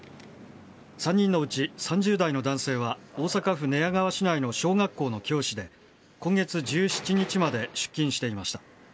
３人のうち、３０代の男性は大阪府寝屋川市内の小学校の教師で今月１７日まで出勤していました。